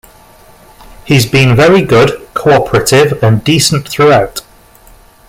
He's been very good, co-operative and decent throughout.